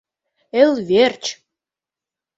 Эл верч!